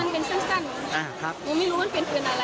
มันเป็นสั้นหนูไม่รู้มันเป็นปืนอะไร